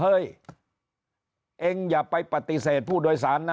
เองอย่าไปปฏิเสธผู้โดยสารนะ